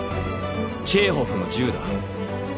チェーホフの銃だ。